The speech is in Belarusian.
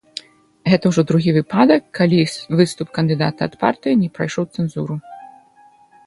Гэта ўжо другі выпадак, калі выступ кандыдата ад партыі не прайшоў цэнзуры.